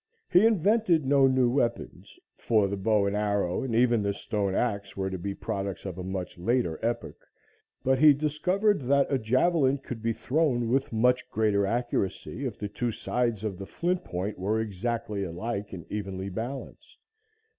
He invented no new weapons, for the bow and arrow and even the stone axe, were to be the products of a much later epoch; but he discovered that a javelin could be thrown with much greater accuracy if the two sides of the flint point were exactly alike and evenly balanced.